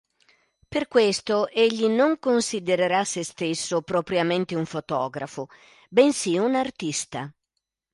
Per questo egli non considererà se stesso propriamente un fotografo, bensì un artista.